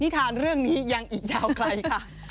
ทานเรื่องนี้ยังอีกยาวไกลค่ะ